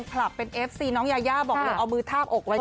ลับเป็นเอฟซีน้องยายาบอกเลยเอามือทาบอกไว้ก่อน